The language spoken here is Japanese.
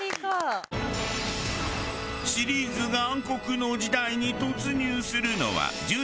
シリーズが暗黒の時代に突入するのは１４作目。